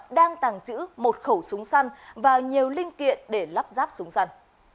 đang tàng trữ một khẩu súng săn và nhiều linh kiện để lắp ráp súng săn